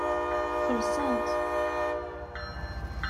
Xellṣent.